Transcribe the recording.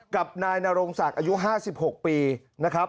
กับนายนาโรงสักอายุห้าสิบหกปีนะครับ